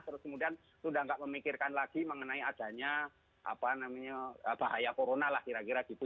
terus kemudian sudah tidak memikirkan lagi mengenai adanya bahaya corona lah kira kira gitu